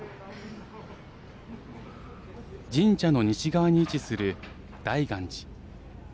神社の西側に位置する大願寺。